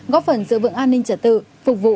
góp phần giữ vượng an ninh trả tự phục vụ